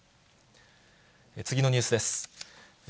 次のニュースです。